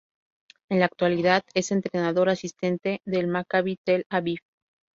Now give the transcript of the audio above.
En la actualidad es entrenador asistente del Maccabi Tel-Aviv.